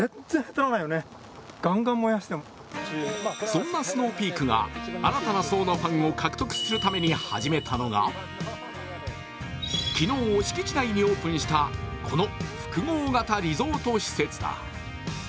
そんなスノーピークが新たな層のファンを獲得するために始めたのが昨日、敷地内にオープンしたこの複合型リゾート施設だ。